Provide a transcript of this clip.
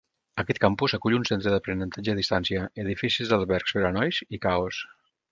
Aquest campus acull un centre d'aprenentatge a distància, edificis d'albergs per a nois i caos.